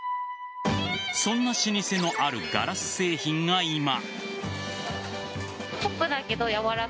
そんな老舗のあるガラス製品が今。